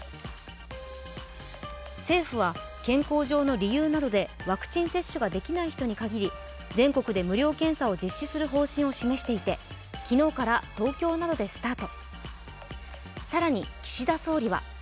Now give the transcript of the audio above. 政府は健康上の理由などでワクチン接種ができない人に限り、全国で無料検査を実施する方針を示していて昨日から東京などでスタート。